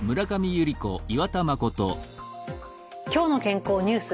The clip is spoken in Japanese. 「きょうの健康ニュース」